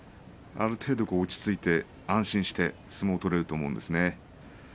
ある程度落ち着いて、安心して相撲を取れると思うんです。